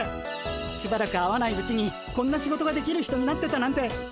しばらく会わないうちにこんな仕事ができる人になってたなんてすごいっ！